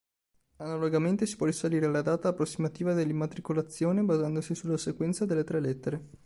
Analogamente si può risalire alla data approssimativa dell'immatricolazione basandosi sulla sequenza delle tre lettere.